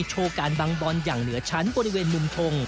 โชว์การบังบอลอย่างเหนือชั้นบริเวณมุมทง